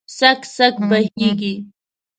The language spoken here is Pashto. څک، څک بهیږې